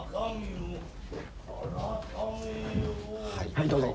はいどうぞ。